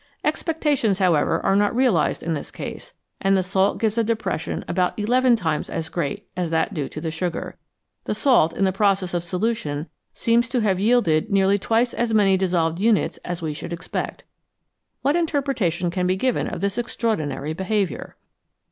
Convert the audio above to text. Expectations, however, are not realised in this case, and the salt gives a depres sion about eleven times as great as that due to the sugar. The salt, in the process of solution, seems to have yielded nearly twice as many dissolved units as we should expect. What interpretation can be given of this extraordinary behaviour